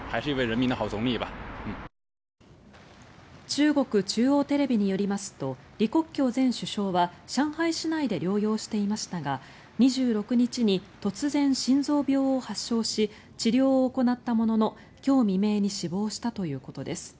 中国中央テレビによりますと李克強前首相は上海市内で療養していましたが２６日に突然、心臓病を発症し治療を行ったものの、今日未明に死亡したということです。